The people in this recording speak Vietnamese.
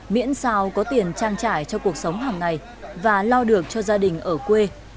miễn sao có tiền trang trải cho cuộc sống hàng ngày và lo được cho gia đình ở quê